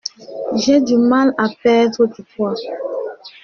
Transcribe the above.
J'ai du mal à perdre du poids.